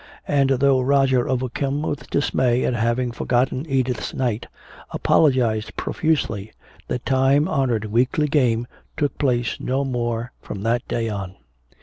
And though Roger, overcome with dismay at having forgotten Edith's night, apologized profusely, the time honored weekly game took place no more from that day on.